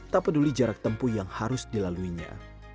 tak peduli jarak tempuh yang harus dilaluinya